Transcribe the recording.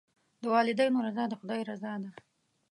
د والدینو رضا د خدای رضا ده.